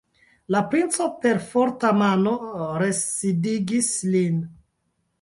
La princo per forta mano residigis lin.